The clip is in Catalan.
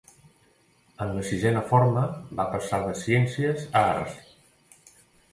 En la sisena forma, va passar de ciències a arts.